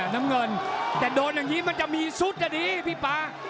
น้ำเงินแต่โดนอย่างนี้มันจะมีซุดอ่ะดีพี่ป๊า